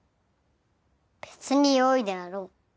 別によいであろう。